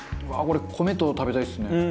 これ米と食べたいですね。